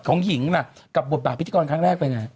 ของหญิงล่ะกับบทบาทพิธีกรครั้งแรกเป็นไง